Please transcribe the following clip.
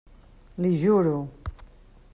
L'hi juro!